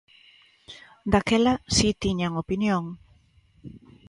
Daquela si tiñan opinión.